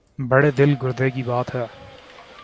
بڑے دل گردے کی بات ہے۔